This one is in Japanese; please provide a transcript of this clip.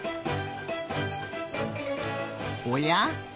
おや？